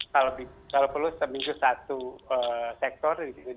kalau perlu seminggu satu sektor